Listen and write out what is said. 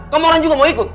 kamu orang juga mau ikut